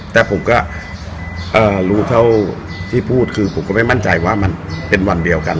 แต่ผมก็รู้เท่าที่พูดคือผมก็ไม่มั่นใจว่ามันเป็นวันเดียวกัน